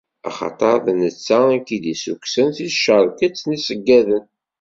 Axaṭer d netta i k-id-issukksen si tcerket n yiseyyaden.